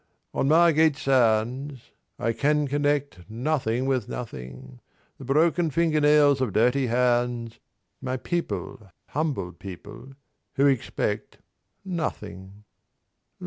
"On Margate Sands. 300 I can connect Nothing with nothing. The broken fingernails of dirty hands. My people humble people who expect Nothing."